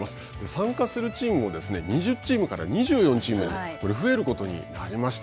参加するチームも２０チームから２４チームに増えることになりました。